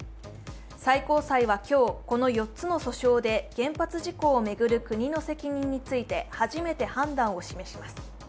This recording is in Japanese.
最高裁は今日、この４つの訴訟で原発事故を巡る国の責任について初めて判断を示します。